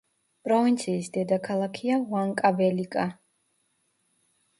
პროვინციის დედაქალაქია უანკაველიკა.